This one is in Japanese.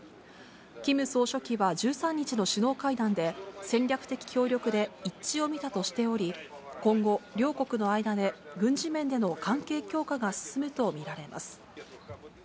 キム総書記は１３日の首脳会談で、戦略的協力で一致を見たとしており、今後、両国の間で軍事面での関係強化が進むと見られます。